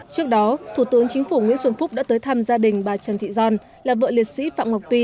trước đó thủ tướng chính phủ nguyễn xuân phúc đã tới thăm gia đình bà trần thị giòn là vợ liệt sĩ phạm ngọc tuy